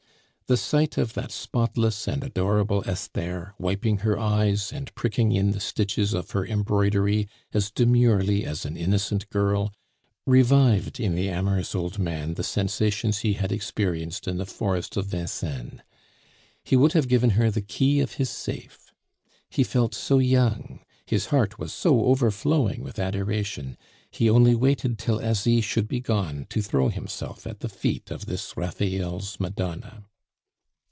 The sight of that spotless and adorable Esther wiping her eyes and pricking in the stitches of her embroidery as demurely as an innocent girl, revived in the amorous old man the sensations he had experienced in the Forest of Vincennes; he would have given her the key of his safe. He felt so young, his heart was so overflowing with adoration; he only waited till Asie should be gone to throw himself at the feet of this Raphael's Madonna.